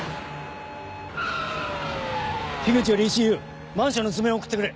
口よりＥＣＵマンションの図面を送ってくれ。